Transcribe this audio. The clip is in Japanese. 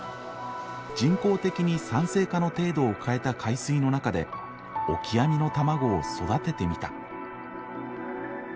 人工的に酸性化の程度を変えた海水の中でオキアミの卵を育ててみた。